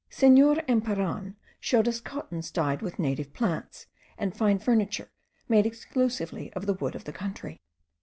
Senor Emperan showed us cottons dyed with native plants, and fine furniture made exclusively of the wood of the country.